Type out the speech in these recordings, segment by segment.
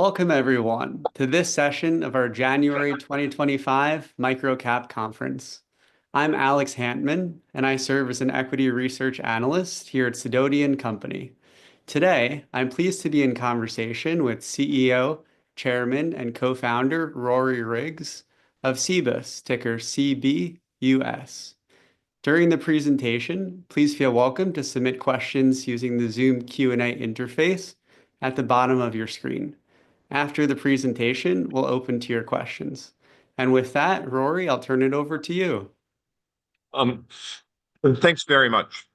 Welcome, everyone, to this session of our January 2025 MicroCap Conference. I'm Alex Hantman, and I serve as an equity research analyst here at Sidoti & Company. Today, I'm pleased to be in conversation with CEO, Chairman, and Co-founder Rory Riggs of Cibus, ticker C-B-U-S. During the presentation, please feel welcome to submit questions using the Zoom Q&A interface at the bottom of your screen. After the presentation, we'll open to your questions. And with that, Rory, I'll turn it over to you. Thanks very much.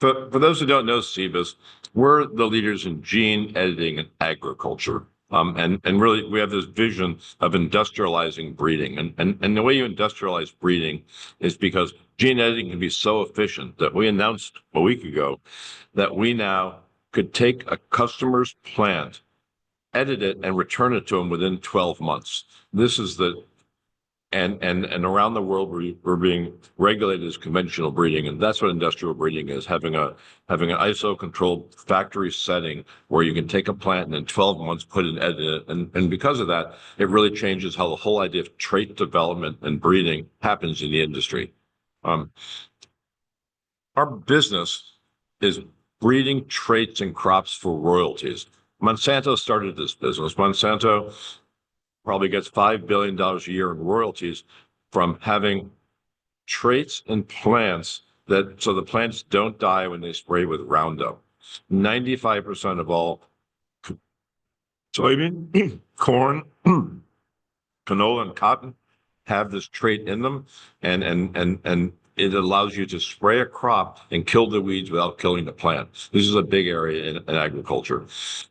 For those who don't know, Cibus, we're the leaders in gene editing in agriculture. Really, we have this vision of industrializing breeding. The way you industrialize breeding is because gene editing can be so efficient that we announced a week ago that we now could take a customer's plant, edit it, and return it to them within 12 months. This is the—and around the world, we're being regulated as conventional breeding. That's what industrial breeding is: having an ISO-controlled factory setting where you can take a plant and in 12 months put it in, edit it. Because of that, it really changes how the whole idea of trait development and breeding happens in the industry. Our business is breeding traits and crops for royalties. Monsanto started this business. Monsanto probably gets $5 billion a year in royalties from having traits in plants so the plants don't die when they spray with Roundup. 95% of all soybean, corn, canola, and cotton have this trait in them. And it allows you to spray a crop and kill the weeds without killing the plant. This is a big area in agriculture.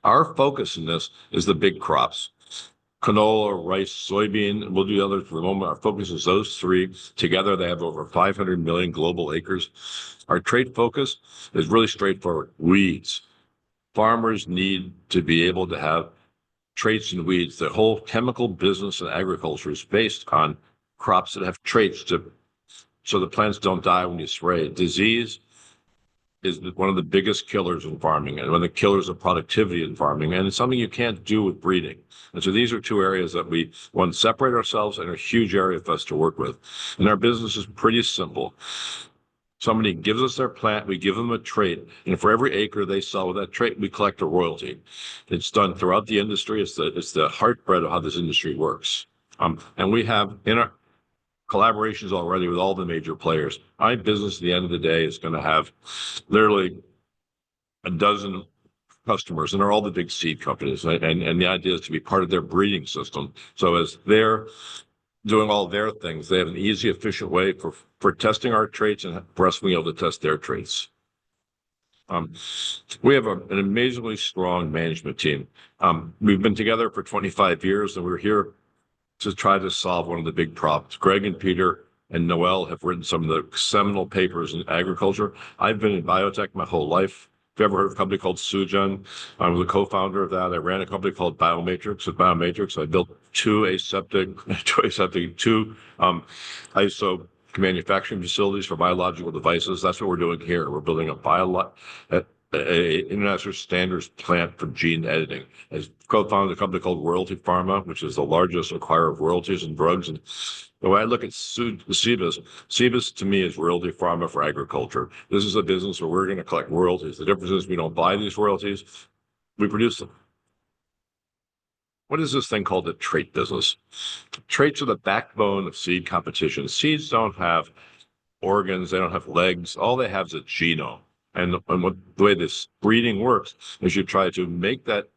Our focus in this is the big crops: canola, rice, soybean. We'll do the others in a moment. Our focus is those three. Together, they have over 500 million global acres. Our trait focus is really straightforward: weeds. Farmers need to be able to have traits in weeds. The whole chemical business in agriculture is based on crops that have traits so the plants don't die when you spray. Disease is one of the biggest killers in farming and one of the killers of productivity in farming, and it's something you can't do with breeding, and so these are two areas that we want to separate ourselves and a huge area for us to work with. Our business is pretty simple. Somebody gives us their plant, we give them a trait, and for every acre they sell with that trait, we collect a royalty. It's done throughout the industry. It's the heartbeat of how this industry works. We have collaborations already with all the major players. My business, at the end of the day, is going to have literally a dozen customers, and they're all the big seed companies. The idea is to be part of their breeding system. So as they're doing all their things, they have an easy, efficient way for testing our traits and for us being able to test their traits. We have an amazingly strong management team. We've been together for 25 years, and we're here to try to solve one of the big problems. Greg and Peter, and Noel have written some of the seminal papers in agriculture. I've been in biotech my whole life. If you've ever heard of a company called Sugen, I was a Co-Founder of that. I ran a company called Biomatrix. With Biomatrix, I built two ISO-manufacturing facilities for biological devices. That's what we're doing here. We're building a international standards plant for gene editing. I co-founded a company called Royalty Pharma, which is the largest acquirer of royalties and drugs. And the way I look at Cibus, Cibus to me is Royalty Pharma for agriculture. This is a business where we're going to collect royalties. The difference is we don't buy these royalties. We produce them. What is this thing called a trait business? Traits are the backbone of seed competition. Seeds don't have organs. They don't have legs. All they have is a genome. And the way this breeding works is you try to make that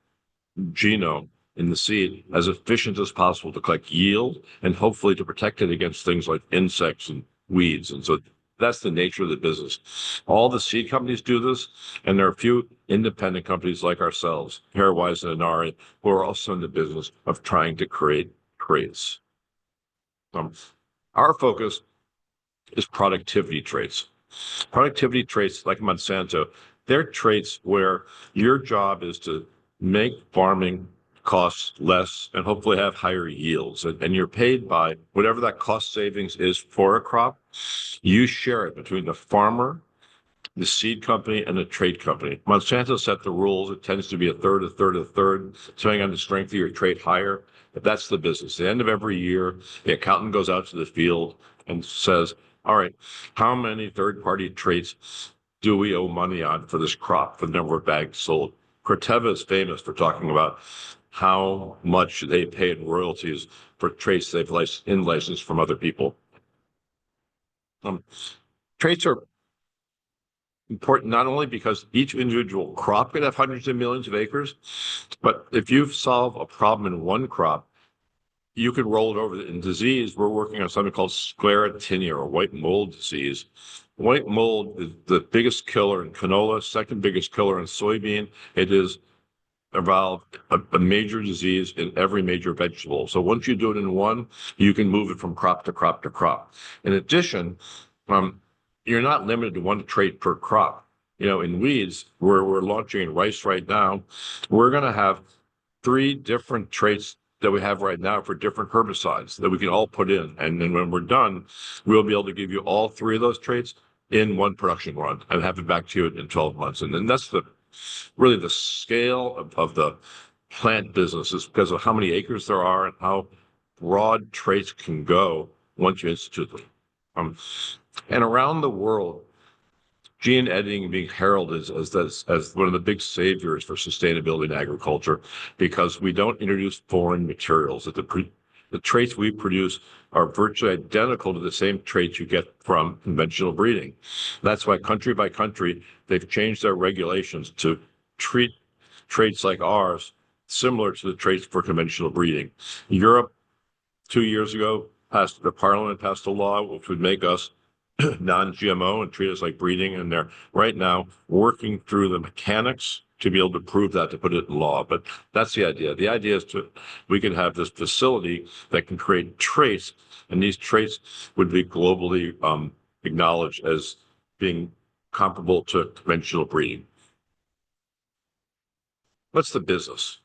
genome in the seed as efficient as possible to collect yield and hopefully to protect it against things like insects and weeds. And so that's the nature of the business. All the seed companies do this, and there are a few independent companies like ourselves, Pairwise, and Inari, who are also in the business of trying to create traits. Our focus is productivity traits. Productivity traits, like Monsanto, they're traits where your job is to make farming costs less and hopefully have higher yields. You're paid by whatever that cost savings is for a crop. You share it between the farmer, the seed company, and the trade company. Monsanto set the rules. It tends to be a third, a third, a third, depending on the strength of your trade hire. But that's the business. At the end of every year, the accountant goes out to the field and says, "All right, how many third-party traits do we owe money on for this crop, for the number of bags sold?" Corteva is famous for talking about how much they pay in royalties for traits they've in-licensed from other people. Traits are important not only because each individual crop can have hundreds of millions of acres, but if you solve a problem in one crop, you can roll it over in disease. We're working on something called Sclerotinia, or white mold disease. White mold is the biggest killer in canola, second biggest killer in soybean. It has evolved a major disease in every major vegetable. So once you do it in one, you can move it from crop to crop to crop. In addition, you're not limited to one trait per crop. In weeds, where we're launching rice right now, we're going to have three different traits that we have right now for different herbicides that we can all put in. And then when we're done, we'll be able to give you all three of those traits in one production run and have it back to you in 12 months. And that's really the scale of the plant business because of how many acres there are and how broad traits can go once you institute them. Around the world, gene editing being heralded as one of the big saviors for sustainability in agriculture because we don't introduce foreign materials. The traits we produce are virtually identical to the same traits you get from conventional breeding. That's why country by country, they've changed their regulations to treat traits like ours, similar to the traits for conventional breeding. Europe, two years ago, the Parliament passed a law which would make us non-GMO and treat us like breeding. They're right now working through the mechanics to be able to prove that, to put it in law. That's the idea. The idea is we can have this facility that can create traits, and these traits would be globally acknowledged as being comparable to conventional breeding. What's the business?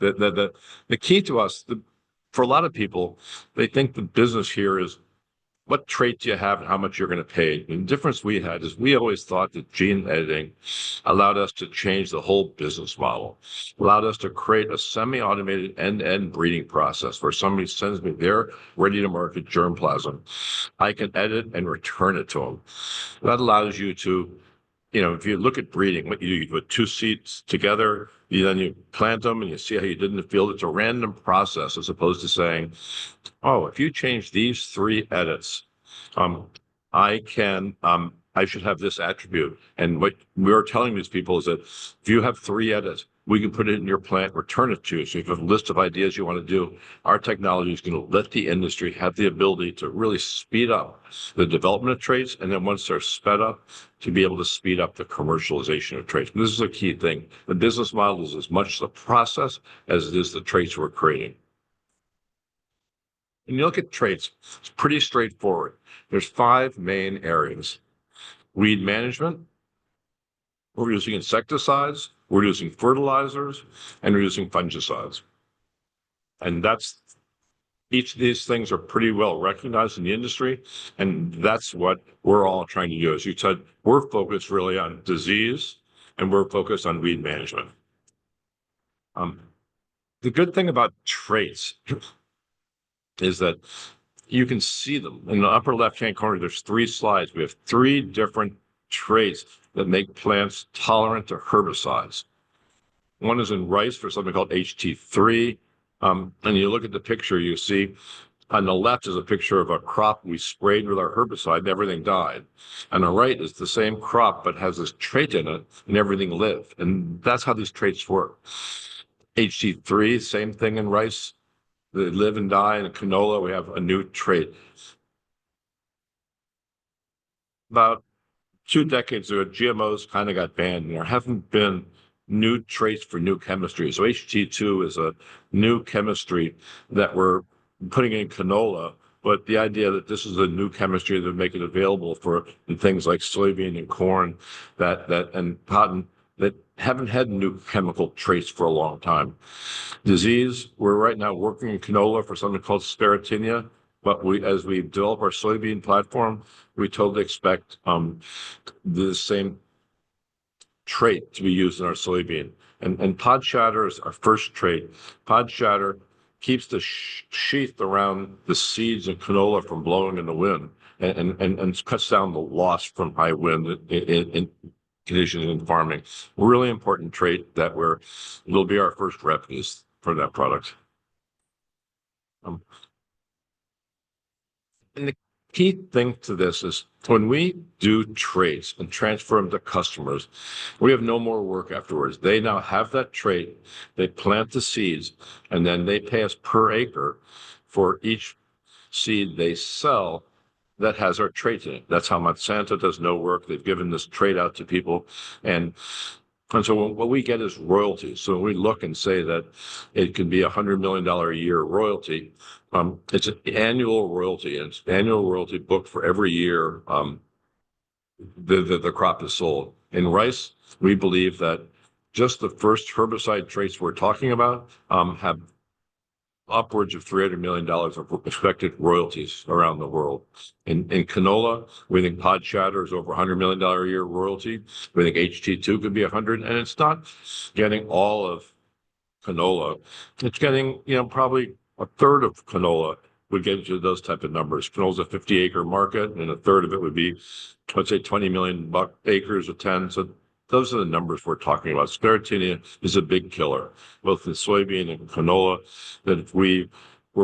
The key to us, for a lot of people, they think the business here is what trait do you have and how much you're going to pay, and the difference we had is we always thought that gene editing allowed us to change the whole business model, allowed us to create a semi-automated end-to-end breeding process where somebody sends me their ready-to-market germplasm. I can edit and return it to them. That allows you to, if you look at breeding, what you do, you put two seeds together, then you plant them and you see how you did in the field. It's a random process as opposed to saying, "Oh, if you change these three edits, I should have this attribute," and what we're telling these people is that if you have three edits, we can put it in your plant, return it to you. You've got a list of ideas you want to do. Our technology is going to let the industry have the ability to really speed up the development of traits. And then once they're sped up, to be able to speed up the commercialization of traits. This is a key thing. The business model is as much the process as it is the traits we're creating. When you look at traits, it's pretty straightforward. There's five main areas: weed management, we're using insecticides, we're using fertilizers, and we're using fungicides. And each of these things are pretty well recognized in the industry, and that's what we're all trying to use. You said we're focused really on disease, and we're focused on weed management. The good thing about traits is that you can see them. In the upper left-hand corner, there's three slides. We have three different traits that make plants tolerant to herbicides. One is in rice for something called HT3, and you look at the picture, you see on the left is a picture of a crop we sprayed with our herbicide and everything died. On the right is the same crop, but has this trait in it, and everything lived, and that's how these traits work. HT3, same thing in rice. They live and die. In canola, we have a new trait. About two decades ago, GMOs kind of got banned. There haven't been new traits for new chemistry. So HT2 is a new chemistry that we're putting in canola, but the idea that this is a new chemistry that would make it available for things like soybean and corn and cotton that haven't had new chemical traits for a long time. Disease, we're right now working in canola for something called Sclerotinia, but as we develop our soybean platform, we totally expect the same trait to be used in our soybean, and pod shatter is our first trait. Pod shatter keeps the sheath around the seeds and canola from blowing in the wind and cuts down the loss from high wind conditions in farming. Really important trait that will be our first remedies for that product, and the key thing to this is when we do traits and transfer them to customers, we have no more work afterwards. They now have that trait. They plant the seeds, and then they pay us per acre for each seed they sell that has our trait in it. That's how Monsanto does no work. They've given this trait out to people, and so what we get is royalties. When we look and say that it can be a $100 million a year royalty, it's an annual royalty. It's an annual royalty booked for every year that the crop is sold. In rice, we believe that just the first herbicide traits we're talking about have upwards of $300 million of expected royalties around the world. In canola, we think pod shatter is over $100 million a year royalty. We think HT2 could be 100. It's not getting all of canola. It's getting probably a third of canola. We get into those types of numbers. Canola's a 50 million-acre market, and a third of it would be, let's say, 20 million acres or so. Those are the numbers we're talking about. Sclerotinia is a big killer, both in soybean and canola. That if we're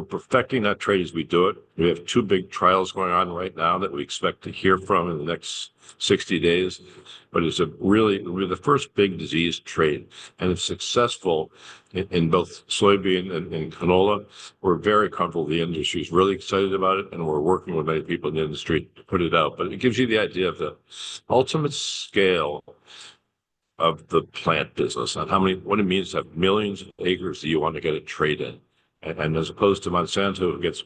perfecting that trait as we do it, we have two big trials going on right now that we expect to hear from in the next 60 days. But it's really the first big disease trait. And it's successful in both soybean and canola. We're very comfortable with the industry. It's really excited about it, and we're working with many people in the industry to put it out. But it gives you the idea of the ultimate scale of the plant business and what it means to have millions of acres that you want to get a trait in. And as opposed to Monsanto, who gets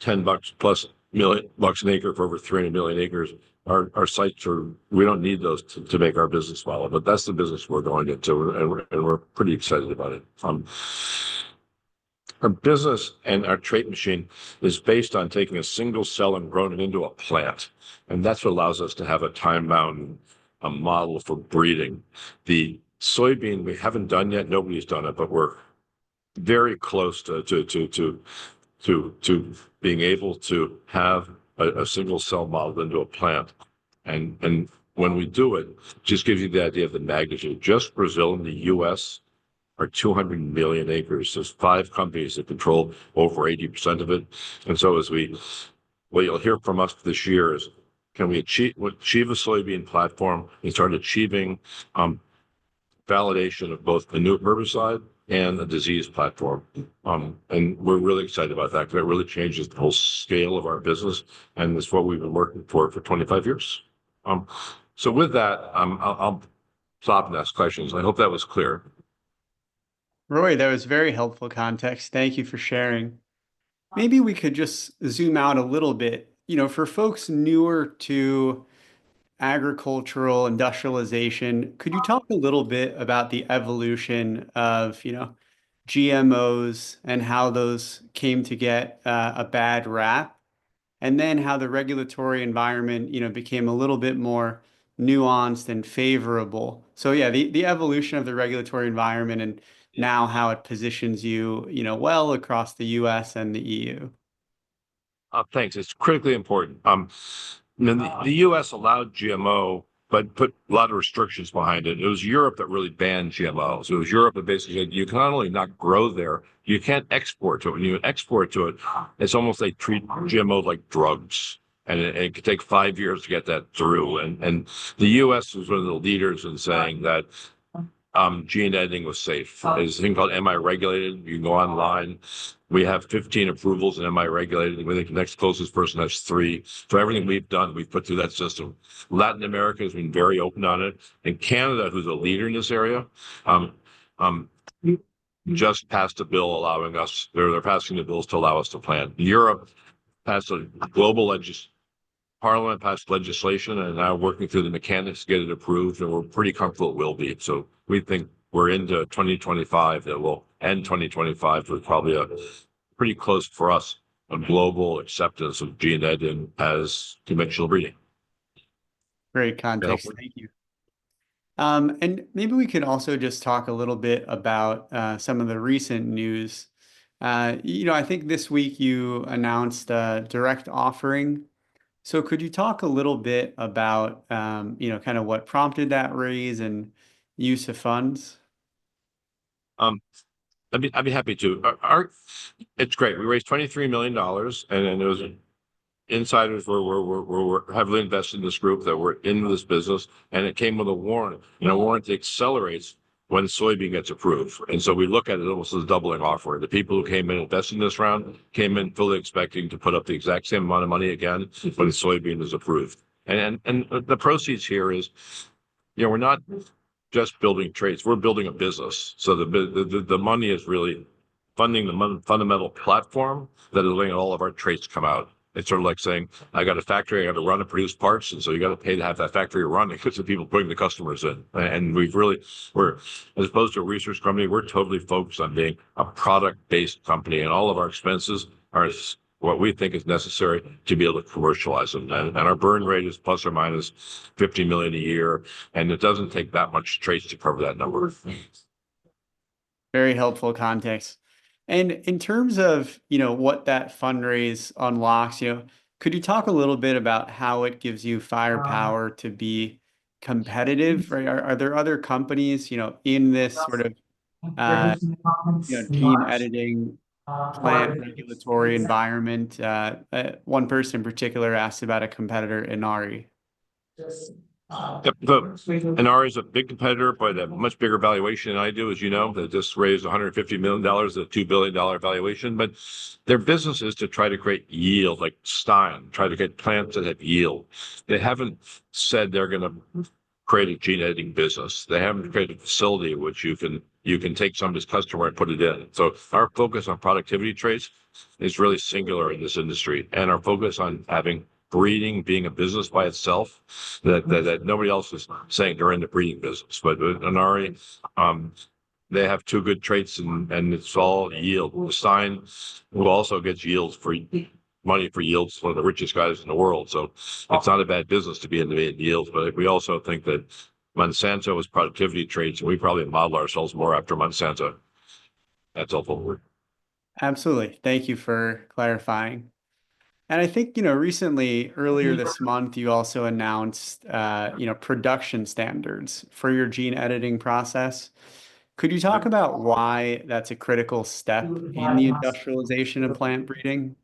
$10 plus $1 million an acre for over 300 million acres, our sights are we don't need those to make our business grow. But that's the business we're going into, and we're pretty excited about it. Our business and our trait machine is based on taking a single cell and growing it into a plant, and that's what allows us to have a time-bound model for breeding. The soybean, we haven't done yet. Nobody's done it, but we're very close to being able to have a single cell modeled into a plant, and when we do it, it just gives you the idea of the magnitude. Just Brazil and the U.S. are 200 million acres. There's five companies that control over 80% of it, and so what you'll hear from us this year is, can we achieve a soybean platform and start achieving validation of both a new herbicide and a disease platform? And we're really excited about that because that really changes the whole scale of our business, and it's what we've been working for for 25 years. So with that, I'll stop and ask questions. I hope that was clear. Rory, that was very helpful context. Thank you for sharing. Maybe we could just zoom out a little bit. For folks newer to agricultural industrialization, could you talk a little bit about the evolution of GMOs and how those came to get a bad rap, and then how the regulatory environment became a little bit more nuanced and favorable? So yeah, the evolution of the regulatory environment and now how it positions you well across the U.S. and the E.U. Thanks. It's critically important. The U.S. allowed GMO, but put a lot of restrictions behind it. It was Europe that really banned GMOs. It was Europe that basically said, "You can not only not grow there, you can't export to it." When you export to it, it's almost like treating GMOs like drugs. It could take five years to get that through. The U.S. was one of the leaders in saying that gene editing was safe. There's a thing called "Am I Regulated?" You can go online. We have 15 approvals in "Am I Regulated?" I think the next closest person has three. Everything we've done, we've put through that system. Latin America has been very open on it. Canada, who's a leader in this area, just passed a bill allowing us. They're passing the bills to allow us to plant. Europe passed a global legislation. Parliament passed legislation, and now we're working through the mechanics to get it approved. We're pretty comfortable it will be. We think we're into 2025, that we'll end 2025 with probably a pretty close for us on global acceptance of gene editing as conventional breeding. Great context. Thank you. Maybe we can also just talk a little bit about some of the recent news. I think this week you announced a direct offering. So could you talk a little bit about kind of what prompted that raise and use of funds? I'd be happy to. It's great. We raised $23 million. And insiders have invested in this group that were in this business. And it came with a warrant. And a warrant accelerates when soybean gets approved. And so we look at it almost as a doubling offer. The people who came in investing this round came in fully expecting to put up the exact same amount of money again when soybean is approved. And the proceeds here is we're not just building traits. We're building a business. So the money is really funding the fundamental platform that is letting all of our traits come out. It's sort of like saying, "I got a factory. I got to run and produce parts." And so you got to pay to have that factory run because the people bring the customers in. And as opposed to a research company, we're totally focused on being a product-based company. And all of our expenses are what we think is necessary to be able to commercialize them. And our burn rate is plus or minus $50 million a year. And it doesn't take that much traits to cover that number. Very helpful context. And in terms of what that fundraise unlocks, could you talk a little bit about how it gives you firepower to be competitive? Are there other companies in this sort of gene editing, plant regulatory environment? One person in particular asked about a competitor, Inari. Inari is a big competitor, but a much bigger valuation than I do, as you know. They just raised $150 million, a $2 billion valuation. But their business is to try to create yield, like style, try to get plants that have yield. They haven't said they're going to create a gene editing business. They haven't created a facility which you can take somebody's customer and put it in. So our focus on productivity traits is really singular in this industry. And our focus on having breeding being a business by itself, that nobody else is saying they're in the breeding business. But Inari, they have two good traits, and it's all yield. The giants also gets money for yields for the richest guys in the world. So it's not a bad business to be in the yields. But we also think that Monsanto has productivity traits, and we probably model ourselves more after Monsanto. That's helpful. Absolutely. Thank you for clarifying. And I think recently, earlier this month, you also announced production standards for your gene editing process. Could you talk about why that's a critical step in the industrialization of plant breeding?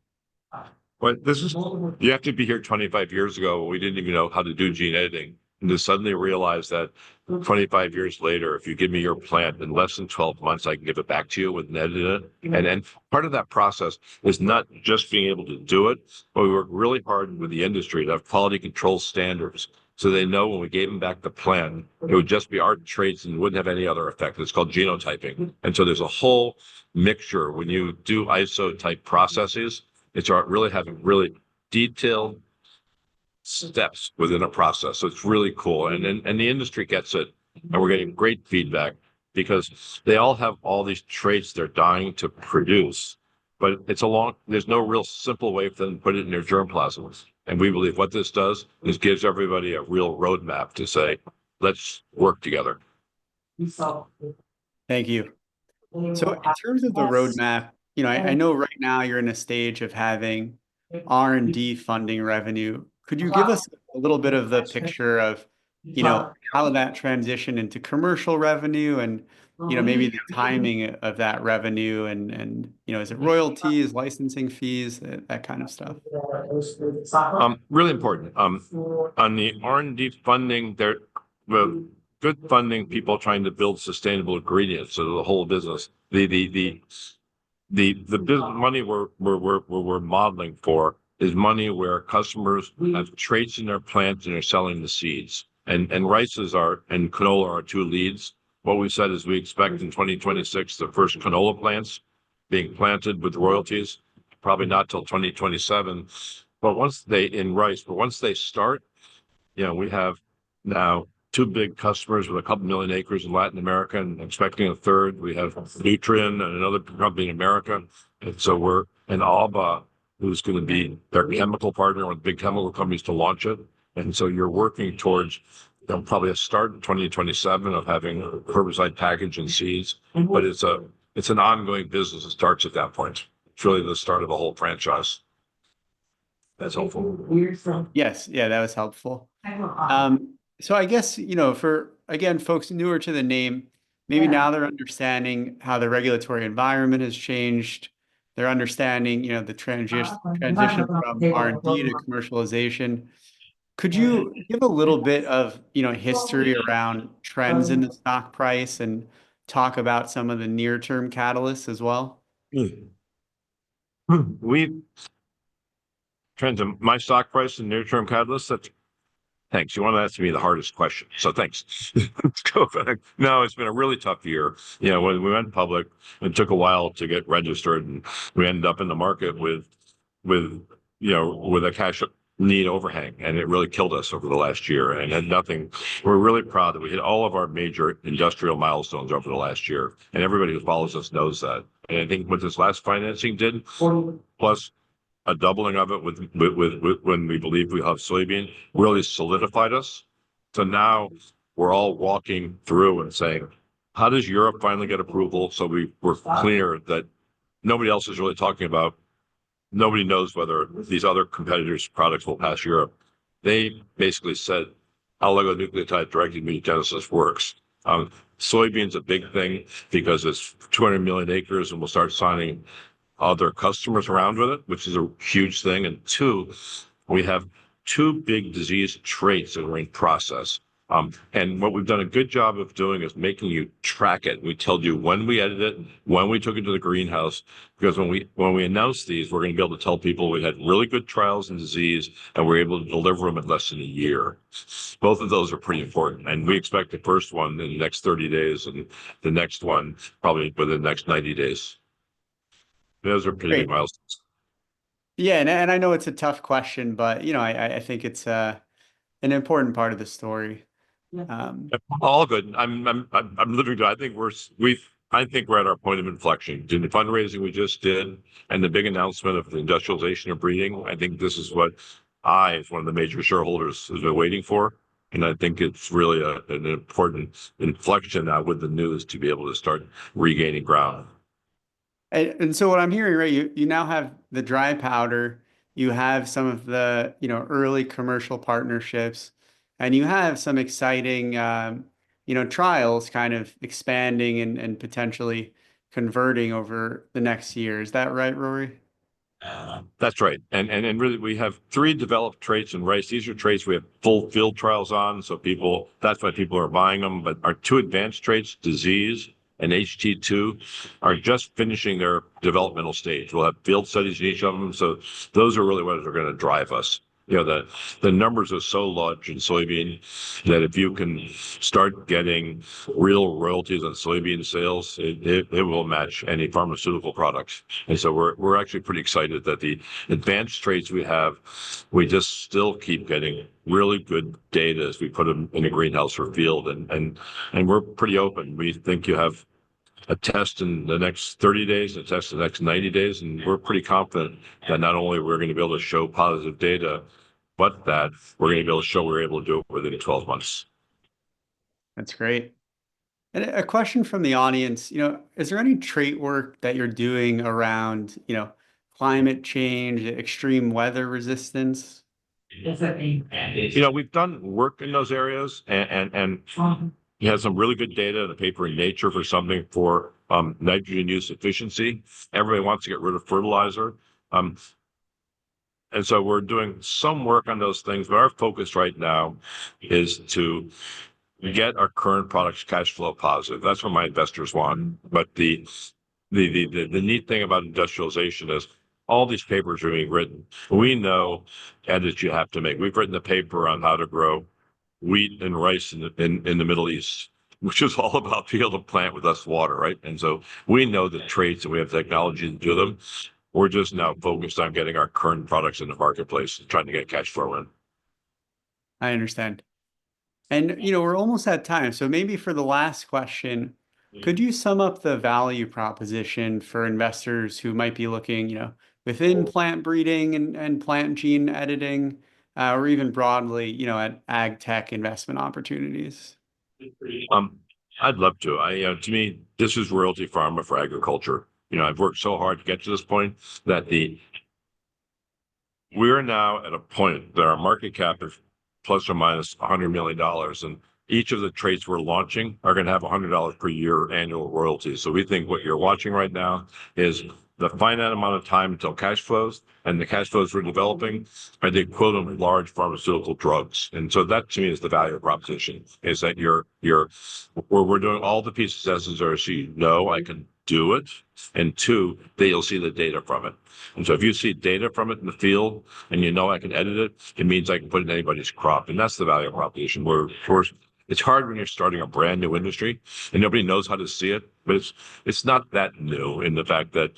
You have to be here 25 years ago. We didn't even know how to do gene editing. And to suddenly realize that 25 years later, if you give me your plant in less than 12 months, I can give it back to you with an edit in it. And part of that process is not just being able to do it, but we work really hard with the industry to have quality control standards. They know when we gave them back the plant, it would just be our traits and wouldn't have any other effect. It's called genotyping. And so there's a whole mixture. When you do isogenic processes, it's really having really detailed steps within a process. So it's really cool. And the industry gets it. And we're getting great feedback because they all have all these traits they're dying to produce. But there's no real simple way for them to put it in their germplasms. And we believe what this does is gives everybody a real roadmap to say, "Let's work together." Thank you. In terms of the roadmap, I know right now you're in a stage of having R&D funding revenue. Could you give us a little bit of the picture of how that transition into commercial revenue and maybe the timing of that revenue? Is it royalties, licensing fees, that kind of stuff? Really important. On the R&D funding, the good funding people trying to build sustainable ingredients of the whole business. The business money we're modeling for is money where customers have traits in their plants and are selling the seeds. Rice and canola are our two leads. What we've said is we expect in 2026, the first canola plants being planted with royalties, probably not till 2027. But once they in rice, but once they start, we have now two big customers with a couple million acres in Latin America and expecting a third. We have Nutrien and another company in America. And so we're in Albaugh, who's going to be their chemical partner with big chemical companies to launch it. And so you're working towards probably a start in 2027 of having herbicide package and seeds. But it's an ongoing business that starts at that point. It's really the start of the whole franchise. That's helpful. Yes. Yeah, that was helpful. So I guess, again, folks newer to the name, maybe now they're understanding how the regulatory environment has changed. They're understanding the transition from R&D to commercialization. Could you give a little bit of history around trends in the stock price and talk about some of the near-term catalysts as well? My stock price and near-term catalysts, that's thanks. You wanted that to be the hardest question. So thanks. Let's go back. No, it's been a really tough year. We went public. It took a while to get registered. And we ended up in the market with a cash need overhang. And it really killed us over the last year. We're really proud that we hit all of our major industrial milestones over the last year. Everybody who follows us knows that. I think what this last financing did, plus a doubling of it when we believe we have soybean, really solidified us. Now we're all walking through and saying, "How does Europe finally get approval?" We're clear that nobody else is really talking about nobody knows whether these other competitors' products will pass Europe. They basically said, "Oligonucleotide-Directed Mutagenesis works." Soybean's a big thing because it's 200 million acres and we'll start signing other customers around with it, which is a huge thing. Two, we have two big disease traits in the pipeline. What we've done a good job of doing is making you track it. We told you when we edited it, when we took it to the greenhouse. Because when we announced these, we're going to be able to tell people we had really good trials and disease, and we're able to deliver them in less than a year. Both of those are pretty important, and we expect the first one in the next 30 days and the next one probably within the next 90 days. Those are pretty good milestones. Yeah, and I know it's a tough question, but I think it's an important part of the story. All good. I think we're at our point of inflection. The fundraising we just did and the big announcement of the industrialization of breeding, I think this is what I, as one of the major shareholders, have been waiting for. I think it's really an important inflection now with the news to be able to start regaining ground. And so what I'm hearing, right, you now have the dry powder. You have some of the early commercial partnerships. And you have some exciting trials kind of expanding and potentially converting over the next year. Is that right, Rory? That's right. And really, we have three developed traits in rice. These are traits we have full field trials on. So that's why people are buying them. But our two advanced traits, disease and HT2, are just finishing their developmental stage. We'll have field studies in each of them. So those are really what are going to drive us. The numbers are so large in soybean that if you can start getting real royalties on soybean sales, it will match any pharmaceutical products. And so we're actually pretty excited that the advanced traits we have. We just still keep getting really good data as we put them in a greenhouse or field. And we're pretty open. We think you have a test in the next 30 days, a test in the next 90 days. And we're pretty confident that not only we're going to be able to show positive data, but that we're going to be able to show we're able to do it within 12 months. That's great. And a question from the audience. Is there any trait work that you're doing around climate change, extreme weather resistance? We've done work in those areas. And we have some really good data in the paper in Nature for something for nitrogen use efficiency. Everybody wants to get rid of fertilizer. And so we're doing some work on those things. But our focus right now is to get our current products cash flow positive. That's what my investors want. But the neat thing about industrialization is all these papers are being written. We know edits you have to make. We've written a paper on how to grow wheat and rice in the Middle East, which is all about being able to plant with less water, right? And so we know the traits and we have technology to do them. We're just now focused on getting our current products in the marketplace and trying to get cash flow in. I understand. And we're almost at time. So maybe for the last question, could you sum up the value proposition for investors who might be looking within plant breeding and plant gene editing, or even broadly at ag tech investment opportunities? I'd love to. To me, this is Royalty Pharma for agriculture. I've worked so hard to get to this point that we're now at a point that our market cap is plus or minus $100 million. And each of the traits we're launching are going to have $100 million per year annual royalties. So we think what you're watching right now is the finite amount of time until cash flows. And the cash flows we're developing are the equivalent of large pharmaceutical drugs. And so that, to me, is the value proposition, is that we're doing all the pieces necessary so you know I can do it. And two, that you'll see the data from it. And so if you see data from it in the field and you know I can edit it, it means I can put it in anybody's crop. And that's the value proposition. It's hard when you're starting a brand new industry and nobody knows how to see it. But it's not that new in the fact that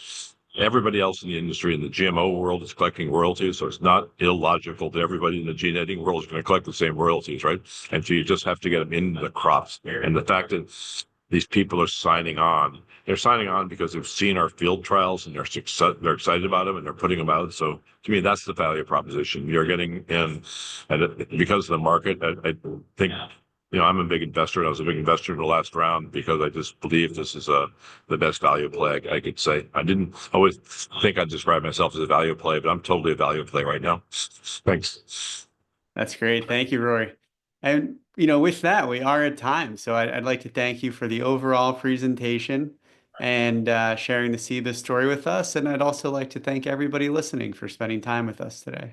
everybody else in the industry in the GMO world is collecting royalties. So it's not illogical that everybody in the gene editing world is going to collect the same royalties, right? And so you just have to get them into the crops. And the fact that these people are signing on, they're signing on because they've seen our field trials and they're excited about them and they're putting them out. So to me, that's the value proposition. You're getting in because of the market. I think I'm a big investor. I was a big investor in the last round because I just believe this is the best value play I could say. I didn't always think I'd describe myself as a value play, but I'm totally a value play right now. Thanks. That's great. Thank you, Rory. And with that, we are at time. So I'd like to thank you for the overall presentation and sharing the seed of this story with us. And I'd also like to thank everybody listening for spending time with us today.